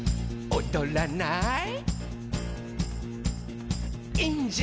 「おどらない？」